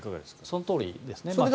そのとおりですね。